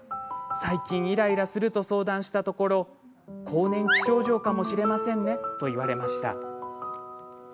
最近イライラすると相談したところ更年期症状かもしれませんねと言われました。